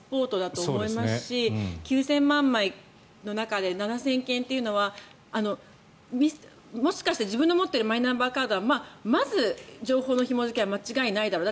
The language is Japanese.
デジタル時代のパスポートだと思いますし９０００万枚の中の７０００件というのはもしかしたら自分が持っているマイナンバーカードはまず情報のひも付けは間違いないだろう